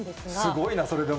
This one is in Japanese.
すごいな、それでも。